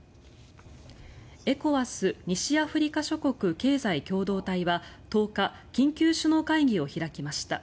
ＥＣＯＷＡＳ・西アフリカ諸国経済共同体は１０日緊急首脳会議を開きました。